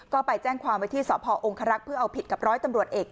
ก็ไปแจ้งความไว้ที่สพองครักษ์เพื่อเอาผิดกับร้อยตำรวจเอก